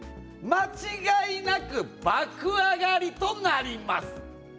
間違いなく爆上がりとなります。